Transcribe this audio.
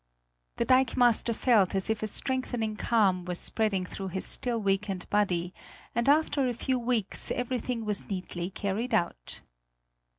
The dikemaster felt as if a strengthening calm were spreading through his still weakened body and after a few weeks everything was neatly carried out.